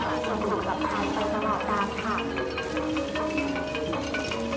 สวัสดีครับข้างหลังครับ